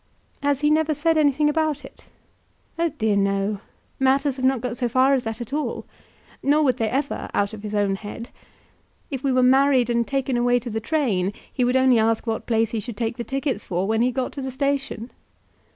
"Has he never said anything about it?" "Oh dear no. Matters have not got so far as that at all; nor would they ever, out of his own head. If we were married and taken away to the train he would only ask what place he should take the tickets for when he got to the station."